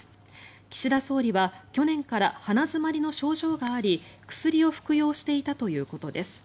岸田総理は去年から鼻詰まりの症状があり薬を服用していたということです。